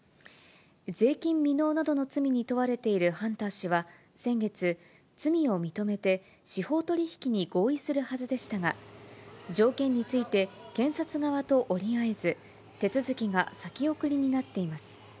税金未納などの罪に問われているハンター氏は、先月、罪を認めて司法取引に合意するはずでしたが、条件について検察側と折り合えず、手続きが先送りになっています。